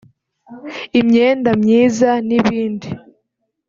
imyenda myiza n’ibindi